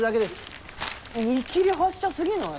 見切り発車すぎない？